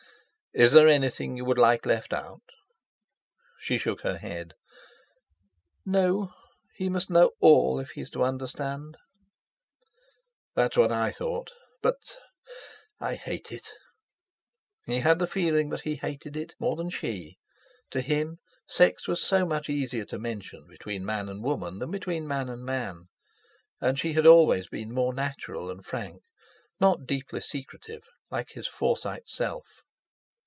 "Is there anything you would like left out?" She shook her head. "No; he must know all, if he's to understand." "That's what I thought, but—I hate it!" He had the feeling that he hated it more than she—to him sex was so much easier to mention between man and woman than between man and man; and she had always been more natural and frank, not deeply secretive like his Forsyte self.